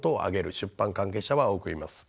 出版関係者は多くいます。